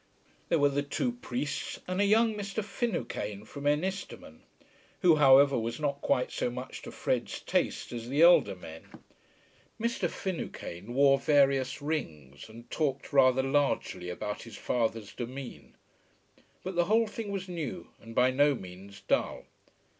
There were the two priests, and a young Mr. Finucane from Ennistimon, who however was not quite so much to Fred's taste as the elder men. Mr. Finucane wore various rings, and talked rather largely about his father's demesne. But the whole thing was new, and by no means dull.